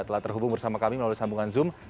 telah terhubung bersama kami melalui sambungan zoom